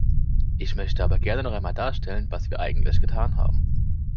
Ich möchte aber gerne noch einmal darstellen, was wir eigentlich getan haben.